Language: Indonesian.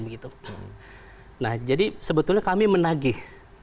nah jadi sebetulnya kami menagih